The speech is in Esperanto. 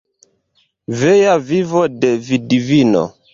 Vea vivo de vidvino.